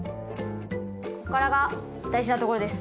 ここからが大事なところです。